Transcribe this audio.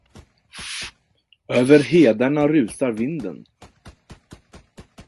Över hedarna rusar vinden.